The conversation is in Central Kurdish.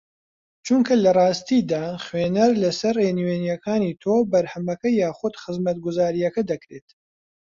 چونکە لەڕاستیدا خوێنەر لەسەر ڕێنوینییەکانی تۆ بەرهەمەکە یاخوود خزمەتگوزارییەکە دەکڕێت